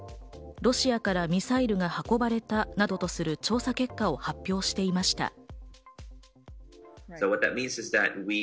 ロシアからミサイルが運ばれたなどとする調査結果を発表していました。